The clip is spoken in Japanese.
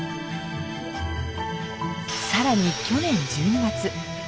更に去年１２月。